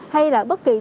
hay là bất kỳ thái